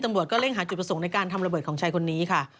ซึ่งตอน๕โมง๔๕นะฮะทางหน่วยซิวได้มีการยุติการค้นหาที่